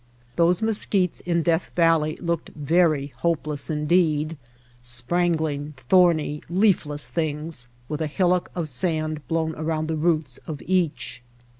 Those mesquites in Death Valley looked very hopeless indeed, sprangling, thorny, leafless things with a hillock of sand blown around the roots of each.